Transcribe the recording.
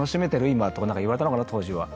今」とか言われたのかな当時は。